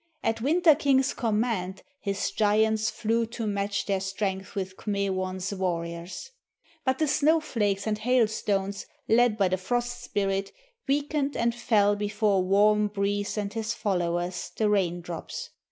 At Winter King's command his giants flew to match their strength with K'me wan's warriors. But the Snowflakes and Hailstones led by the Frost spirit weakened and fell before Warm breeze and his followers, the Raindrops.